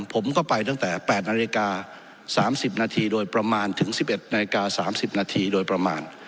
ผมก็ไปตั้งแต่๘นาฬิกา๓๐นาทีโดยประมาณถึง๑๑นาฬิกา๓๐นาทีโดยประมาณ